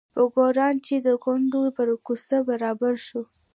پک ګوروان چې د کونډو پر کوڅه برابر شو.